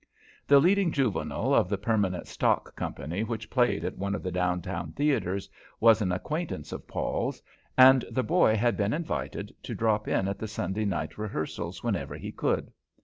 The leading juvenile of the permanent stock company which played at one of the downtown theatres was an acquaintance of Paul's, and the boy had been invited to drop in at the Sunday night rehearsals whenever he could.